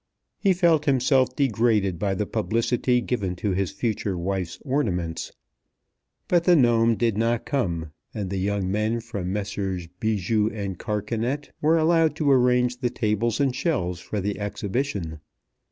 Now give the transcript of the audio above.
He felt himself degraded by the publicity given to his future wife's ornaments. But the gnome did not come, and the young men from Messrs. Bijou and Carcanet were allowed to arrange the tables and shelves for the exhibition.